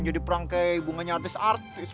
jadi perang keibungannya artis artis